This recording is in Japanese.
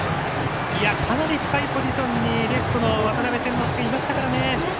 かなり深いポジションにレフトの渡邉千之亮いましたからね。